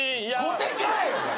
小手かい！